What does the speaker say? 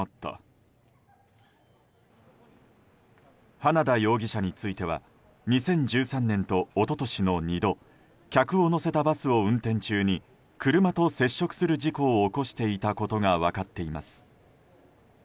花田容疑者については２０１３年と一昨年の２度客を乗せたバスを運転中に車と接触する事故を起こしていたことが分かっています。